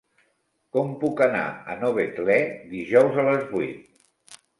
Com puc anar a Novetlè dijous a les vuit?